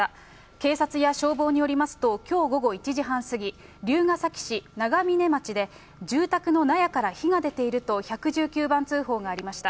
警察や消防によりますと、きょう午後１時半過ぎ、龍ケ崎市ながみね町で、住宅の納屋から火が出ていると１１９番通報がありました。